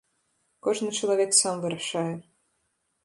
Кожны чалавек сам вырашае.